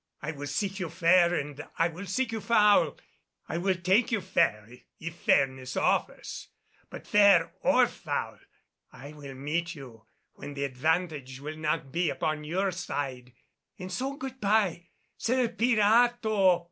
I will seek you fair and I will seek you foul; I will take you fair if fairness offers; but, fair or foul, I will meet you when the advantage will not be upon your side and so, good by, Sir Pirato!"